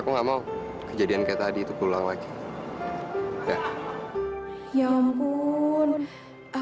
mungkin lo bisa nyegat gue di jalan dan nuduh gue sembarangan